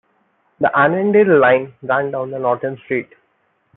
The Annandale Line ran down Norton Street.